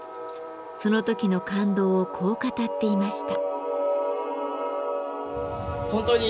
その時の感動をこう語っていました。